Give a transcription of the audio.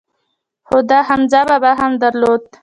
خو ده حمزه بابا هم درلود.